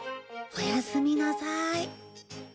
おやすみなさい。